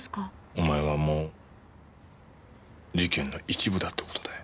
お前はもう事件の一部だって事だよ。